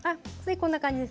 こんな感じで。